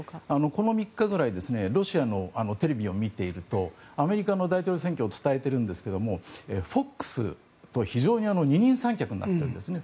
この３日ぐらいロシアのテレビを見ているとアメリカの大統領選挙を伝えているんですけどＦＯＸと非常に二人三脚になっているんですね。